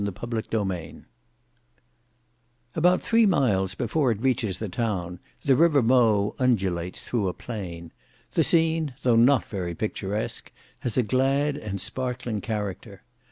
Book 2 Chapter 16 About three miles before it reaches the town, the river Mowe undulates through a plain. The scene, though not very picturesque, has a glad and sparkling character.